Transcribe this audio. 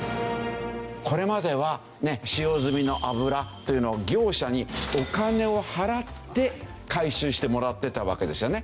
これまでは使用済みの油というのを業者にお金を払って回収してもらっていたわけですよね。